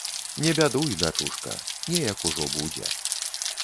Не бядуй, дачушка, неяк ужо будзе.